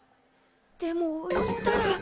でも言ったら。